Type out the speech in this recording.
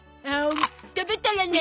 食べたらね。